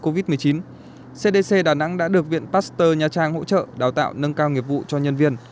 covid một mươi chín cdc đà nẵng đã được viện pasteur nha trang hỗ trợ đào tạo nâng cao nghiệp vụ cho nhân viên